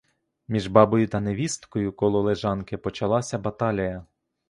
Між бабою та невісткою коло лежанки почалася баталія.